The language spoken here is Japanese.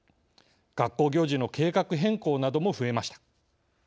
学校行事の計画変更なども増えました。